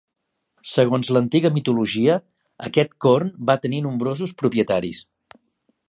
Segons l'antiga mitologia, aquest corn va tenir nombrosos propietaris.